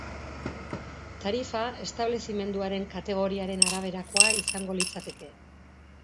Tarifa establezimenduaren kategoriaren araberakoa izango litzateke.